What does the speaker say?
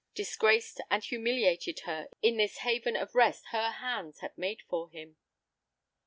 Disgraced and humiliated her in this haven of rest her hands had made for him!